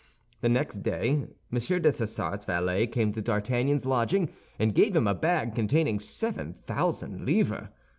The next day, M. Dessessart's valet came to D'Artagnan's lodging, and gave him a bag containing seven thousand livres.